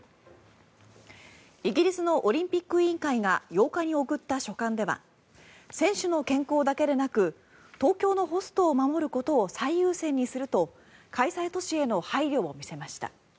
イギリスのオリンピック委員会が８日に送った書簡では選手の健康だけでなく東京のホストを守ることを最優先にすると開催都市への配慮を見せました。